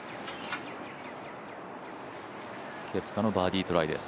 ケプカのバーディートライです。